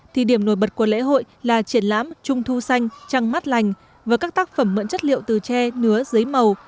thì điểm nổi bật của lễ hội là triển lãm trung thu xanh trăng mắt lành với các tác phẩm mượn chất liệu từ tre nứa giấy màu